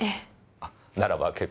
あならば結構。